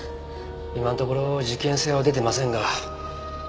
今のところ事件性は出てませんが。